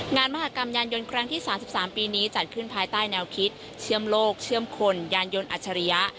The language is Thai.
มหากรรมยานยนต์ครั้งที่๓๓ปีนี้จัดขึ้นภายใต้แนวคิดเชื่อมโลกเชื่อมคนยานยนต์อัจฉริยะ